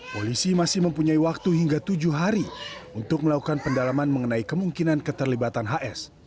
polisi masih mempunyai waktu hingga tujuh hari untuk melakukan pendalaman mengenai kemungkinan keterlibatan hs